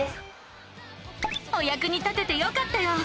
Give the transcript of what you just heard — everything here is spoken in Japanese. おやくに立ててよかったよ！